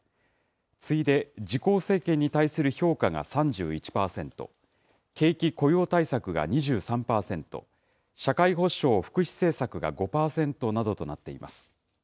次いで自公政権に対する評価が３１％、景気・雇用対策が２３％、社会保障・福祉政策が５％などとなっています。